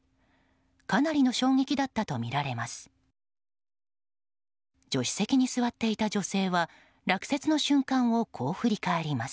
かなりの衝撃だったとみられます。